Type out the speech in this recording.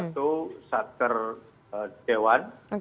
satu satker di dewan